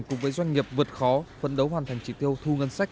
cùng với doanh nghiệp vượt khó phấn đấu hoàn thành chỉ tiêu thu ngân sách